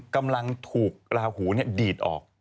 กำลังถูกราหูเนี่ยดีดออก